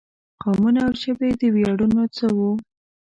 قومونه او ژبې د ویاړونو څه وو.